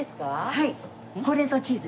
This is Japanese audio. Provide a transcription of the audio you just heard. はい。